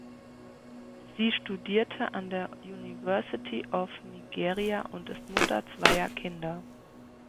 Sie studierte an der University of Nigeria und ist Mutter zweier Kinder.